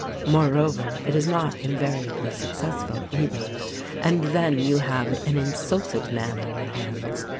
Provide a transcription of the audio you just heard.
Moreover, it is not invariably successful, either; and then you have an insulted man on your hands.